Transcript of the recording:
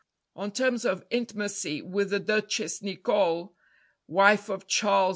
On terms of intimacy with the Duchess Nicloe, wife of Charles IV.